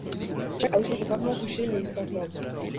Jack a aussi été gravement touché mais il s'en sort.